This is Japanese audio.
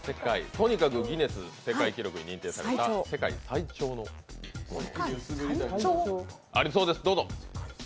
とにかくギネス世界記録に認定された世界最長のもの。